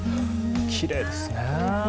きれいですね。